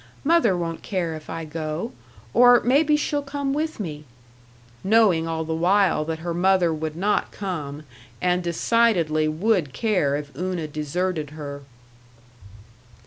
Mother won't care if I go. Or maybe she'll come with me" knowing all the while that her mother would not come, and decidedly would care if Una deserted her.